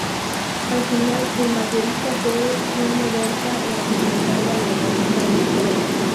Al final, el mayorista cede, siendo Berta la que se encarga de organizarlo todo.